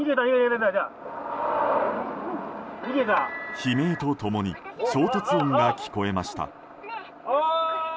悲鳴と共に衝突音が聞こえました。